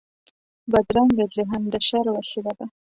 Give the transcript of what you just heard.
بدرنګه ذهن د شر وسيله ده